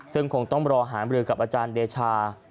ซึ่งคงต้องรอหามรือกับอาจารย์เดชา